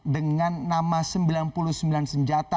dengan nama sembilan puluh sembilan senjata